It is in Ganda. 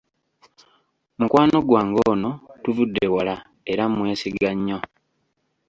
Mukwano gwange ono tuvudde wala era mmwesiga nnyo.